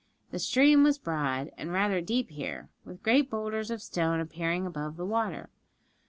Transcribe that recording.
The stream was broad, and rather deep here, with great boulders of stone appearing above the water.